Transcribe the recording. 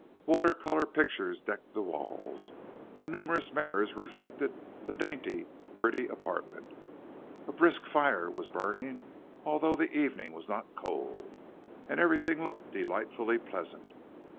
Water color pictures decked the walls, and numerous mirrors reflected the dainty, pretty apartment. A brisk fire was burning, although the evening was not cold, and everything looked delightfully pleasant.